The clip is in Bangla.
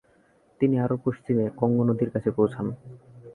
তিনি আরও পশ্চিমে কঙ্গো নদীর কাছে পৌঁছান।